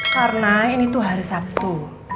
karena ini tuh hari sabtu